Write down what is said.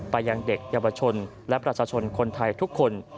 ไปยังเด็กเยาวชนและประชาชนคนไทยทุกคน